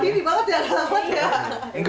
terlalu kaget ya